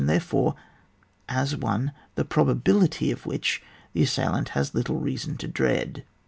and therefore as one, the prohalility of which the assail ant has little reason to dread.